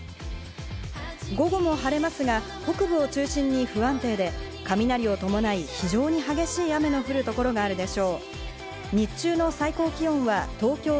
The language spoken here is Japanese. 午後も晴れますが北部を中心に不安定で、雷を伴い非常に激しい雨の降る所があるでしょう。